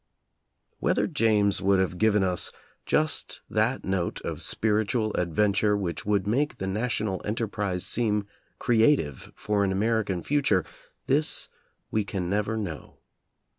Whether James would have given us just that note of spiritual adventure which would make the national enterprise seem creative for an American future, — this we can never know.